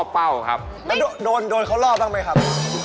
เป็นอะไรครับเป็นอย่างไรครับ